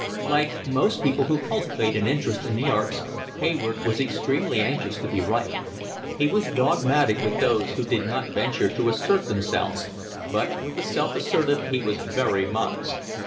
Like most people who cultivate an interest in the arts, Hayward was extremely anxious to be right. He was dogmatic with those who did not venture to assert themselves, but with the self assertive he was very modest.